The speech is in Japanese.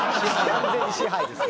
完全に支配です。